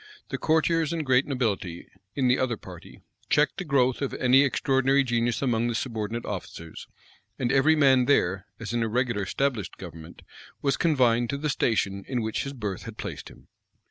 The courtiers and great nobility, in the other party, checked the growth of any extraordinary genius among the subordinate officers; and every man there, as in a regular established government, was confined to the station in which his birth had placed him.